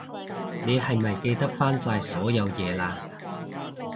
你係咪記得返晒所有嘢喇？